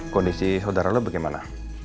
kondisi saudara lo bagaimana